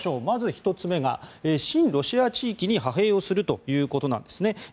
まず１つ目が親ロシア地域に派兵をするということなんですね。